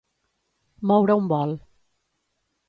Moure un vol.